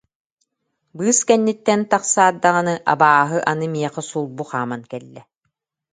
Быыс кэнниттэн тахсаат даҕаны, «абааһы» аны миэхэ сулбу хааман кэллэ